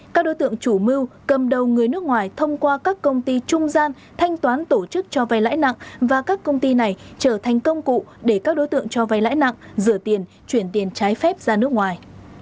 các đối tượng chủ mưu cầm đầu người nước ngoài thông qua các công ty trung gian thanh toán tổ chức cho vay lãi nặng và các công ty này trở thành công cụ để các đối tượng cho vay lãi nặng rửa tiền chuyển tiền trái phép ra nước ngoài